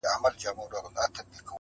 درد د انسان برخه ګرځي تل